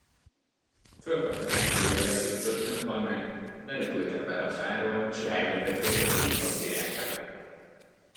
Fölkapta társaival együtt Pöttöm Pannát, leröpültek vele a fáról, s ráültették egy pitypangvirágra.